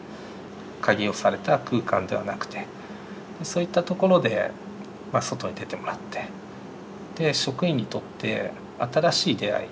鍵をされた空間ではなくてそういったところで外に出てもらって職員にとって新しい出会い